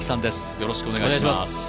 よろしくお願いします。